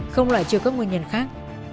không loại trừ các nguyên nhân khác